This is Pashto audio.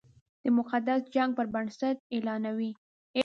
د مقدس جنګ پر بنسټ اعلانوي.